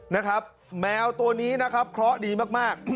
นะครับแมวตัวนี้นะครับคล้อดีมาก